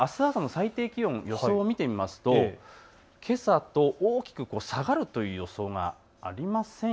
最低気温を見てみますとけさと大きく下がるという予想はありません。